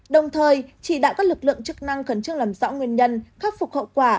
đồng thời chỉ đạo các lực lượng chức năng khẩn trương làm rõ nguyên nhân khắc phục hậu quả